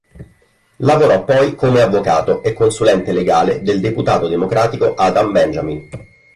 Lavorò poi come avvocato e consulente legale del deputato democratico Adam Benjamin.